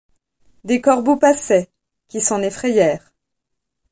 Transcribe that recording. Des corbeaux passaient, qui s’en effrayèrent.